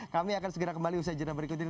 kami akan segera kembali usai jadwal berikut ini